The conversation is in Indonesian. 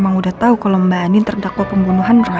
emang udah tau kalo mbak andien terdakwa pembunuhan roy